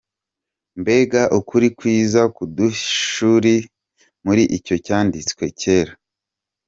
Mbega ukuri kwiza kuduhishuriwe muri icyo cyanditswe cyera.